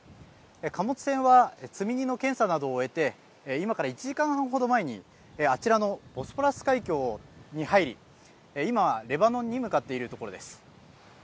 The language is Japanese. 貨物船は積み荷の検査などを終えて今から１時間程前にあちらのボスポラス海峡に入り今、レバノンに向かっているところです。